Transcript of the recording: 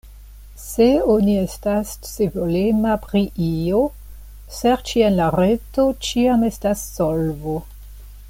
Se oni estas scivolema pri io, serĉi en la reto ĉiam estas solvo.